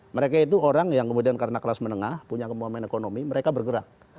mereka itu orang yang kemudian karena kelas menengah punya kemampuan ekonomi mereka bergerak